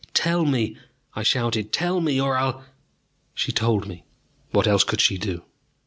"Tell me!" I shouted, "Tell me Or I'll !" She told me what else could she do.